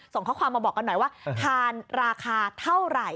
ส่งข้อความมาบอกกันหน่อยว่าทานราคาเท่าไหร่